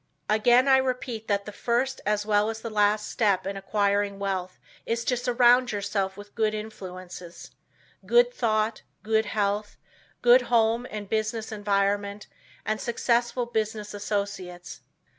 Again I repeat that the first as well as the last step in acquiring wealth is to surround yourself with good influences good thought, good health, good home and business environment and successful business associates.